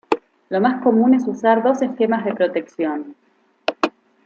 Lo más común es usar dos esquemas de protección.